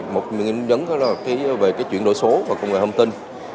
một những nhấn về chuyển đổi số và công nghệ thông tin